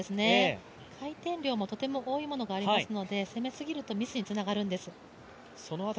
回転量もとても多いものがありますので、攻めすぎるとミスにつながるんです。